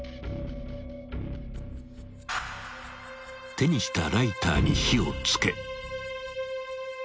［手にしたライターに火を付け］